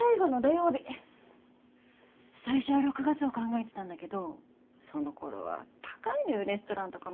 最初は６月を考えてたんだけどそのころは高いのよレストランとかも。